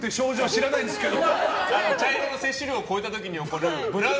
知らないですけど。